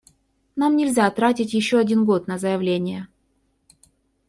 Нам нельзя тратить еще один год на заявления.